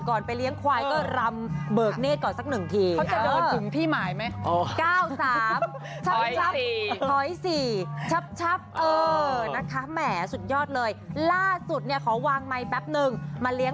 ก่อนไปเลี้ยงควายก็รำเบิกเนธก่อนสักหนึ่งที